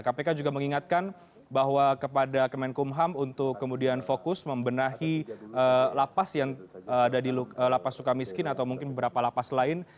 kpk juga mengingatkan bahwa kepada kemenkumham untuk kemudian fokus membenahi lapas yang ada di lapas suka miskin atau mungkin beberapa lapas lain